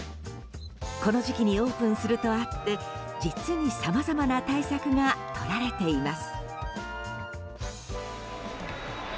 この時期にオープンするとあって実にさまざまな対策がとられています。